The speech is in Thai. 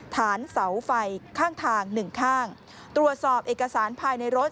ฐานเสาไฟข้างทางหนึ่งข้างตรวจสอบเอกสารภายในรถ